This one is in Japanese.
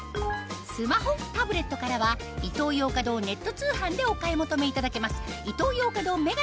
スマホタブレットからはイトーヨーカドーネット通販でお買い求めいただけます